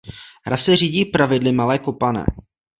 Hra se řídí pravidly malé kopané.